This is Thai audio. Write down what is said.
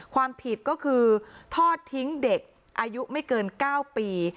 ความผิดก็คือทอดทิ้งเด็กอายุไม่เกิน๙ปี